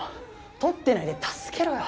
撮ってないで助けろよ